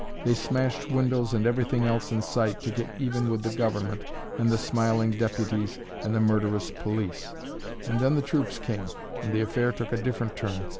They smashed windows and everything else in sight, to get even with the Government and the smiling deputies and the murderous police and then the troops came, and the affair took a different turn.